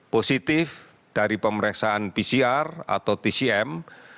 positif dari pemeriksaan pcr atau tcm